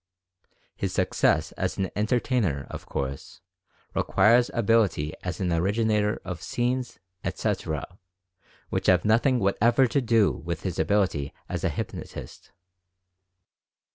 His success as an entertainer, of course, requires ability as an originator of scenes, etc., which have nothing whatever to do with his ability as a hypnotist.